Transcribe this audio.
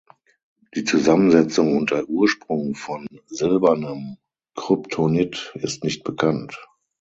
Die Zusammensetzung und der Ursprung von "silbernem" Kryptonit ist nicht bekannt.